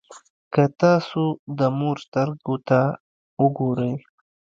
که تاسو د مور سترګو ته وګورئ.